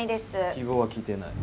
希望は聞いてない。